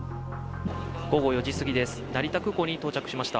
午後４時過ぎです、成田空港に到着しました。